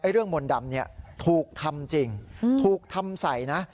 เรื่องมนต์ดำถูกทำจริงถูกทำใส่นะ